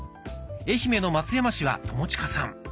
愛媛の松山市は友近さん。